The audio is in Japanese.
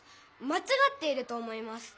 まちがっていると思います。